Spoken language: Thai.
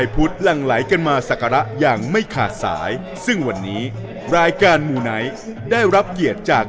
พุทธหลั่งไหลกันมาศักระอย่างไม่ขาดสายซึ่งวันนี้รายการมูไนท์ได้รับเกียรติจาก